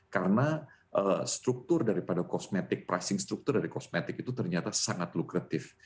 karena struktur daripada kosmetik pricing struktur dari kosmetik itu ternyata sangat lukratif